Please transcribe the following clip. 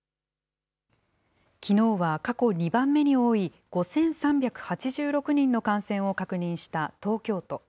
きのうは過去２番目に多い５３８６人の感染を確認した東京都。